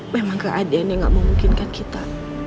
memang keadaan yang gak memungkinkan kita